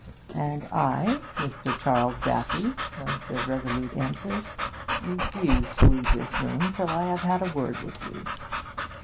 'And I, Mr. Charles Daffy,' was the resolute answer, 'refuse to leave this room till I have had a word with you.'